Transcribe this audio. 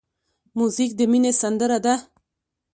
موزیک د مینې سندره ده.